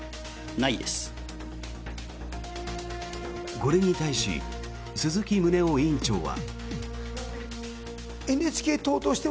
これに対し鈴木宗男委員長は。